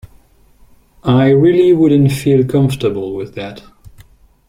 I really wouldn't feel comfortable with that.